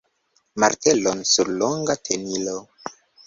martelon sur longa tenilo.